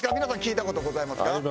皆さん聞いた事ございますか？